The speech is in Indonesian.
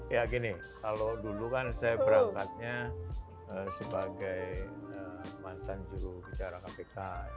ya gini kalau dulu kan saya berangkatnya sebagai mantan jurubicara kpk